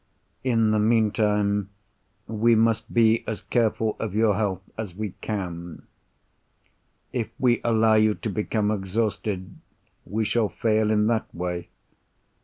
"In the meantime, we must be as careful of your health as we can. If we allow you to become exhausted, we shall fail in that way.